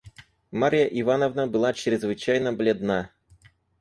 Марья Ивановна была чрезвычайно бледна.